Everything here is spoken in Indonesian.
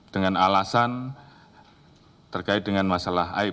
dengan alasan terkait dengan masalah aib